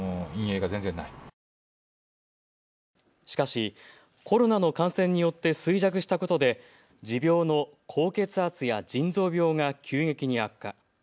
しかし、コロナの感染によって衰弱したことで持病の高血圧や腎臓病が急激に悪化。